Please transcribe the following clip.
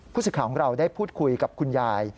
สิทธิ์ของเราได้พูดคุยกับคุณยาย